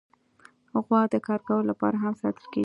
غوا د کار کولو لپاره هم ساتل کېږي.